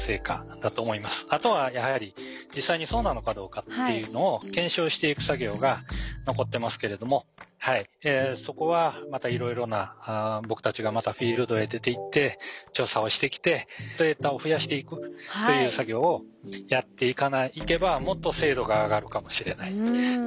あとはやはり実際にそうなのかどうかっていうのを検証していく作業が残ってますけれどもそこはまたいろいろな僕たちがまたフィールドへ出ていって調査をしてきてデータを増やしていくという作業をやっていけばもっと精度が上がるかもしれないというふうには思います。